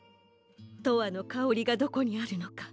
「とわのかおり」がどこにあるのか